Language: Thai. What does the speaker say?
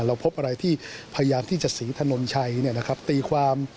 เราพบอะไรที่พยายามที่จะศรีถนนชัยตีความ